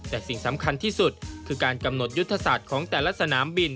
แต่สิ่งสำคัญที่สุดคือการกำหนดยุทธศาสตร์ของแต่ละสนามบิน